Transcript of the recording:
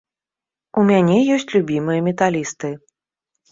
У мяне ёсць любімыя металісты.